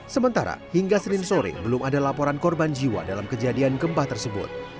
sementara hingga senin sore belum ada laporan korban jiwa dalam kejadian gempa tersebut